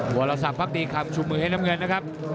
วรสักพักดีคำชุมมือให้น้ำเงินนะครับ